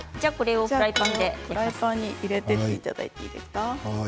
フライパンに入れていただいていいですか。